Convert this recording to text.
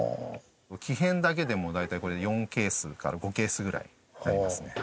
木へんだけでも大体これ４ケースから５ケースぐらいありますね。